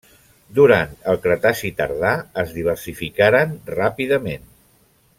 Durant el Cretaci tardà es diversificaren ràpidament.